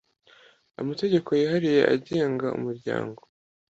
amategeko yihariye agenga umuryango